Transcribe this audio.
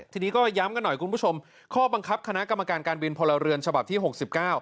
ทีนี้ก็ย้ำกันหน่อยคุณผู้ชมข้อบังคับคณะกรรมการการบินพลเรือนฉบับที่หกสิบเก้า